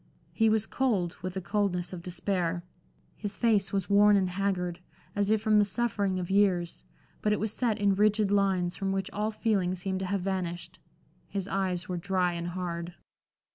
He was cold, with the coldness of despair. His face was worn and haggard, as if from the suffering of years, but it was set in rigid lines, from which all feeling seemed to have vanished. His eyes were dry and hard.